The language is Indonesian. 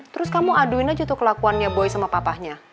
terus kamu aduin aja tuh kelakuannya boy sama papanya